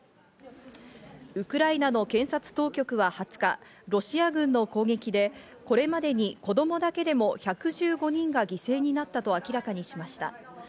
ウクライナの検察当局は２０日、ロシア軍の攻撃でこれまでに子供だけでも１１５人が犠牲になったと明らかにしました。